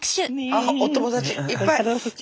あっお友達いっぱい。